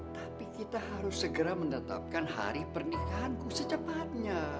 tapi kita harus segera menetapkan hari pernikahanku secepatnya